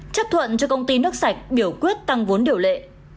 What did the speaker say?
chấp thuận cho công ty nước sạch biểu quyết tăng vốn điều lệ